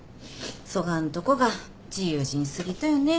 そがんとこが自由人すぎとよね。